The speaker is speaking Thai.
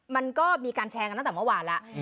มันก็มีการแชร์กันตั้งแต่เมื่อวานแล้ว